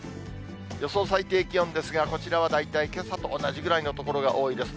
予想最低気温ですが、こちらは大体、けさと同じぐらいの所が多いです。